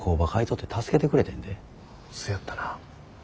せやったな。